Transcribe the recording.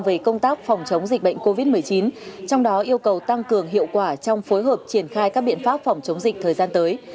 về công tác phòng chống dịch bệnh covid một mươi chín trong đó yêu cầu tăng cường hiệu quả trong phối hợp triển khai các biện pháp phòng chống dịch thời gian tới